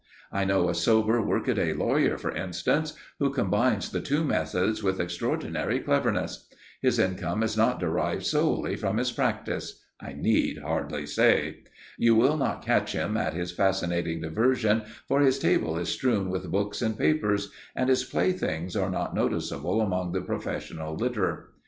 I know a sober, workaday lawyer, for instance, who combines the two methods with extraordinary cleverness. His income is not derived solely from his practice, I need hardly say. You will not catch him at his fascinating diversion, for his table is strewn with books and papers, and his playthings are not noticeable amongst the professional litter.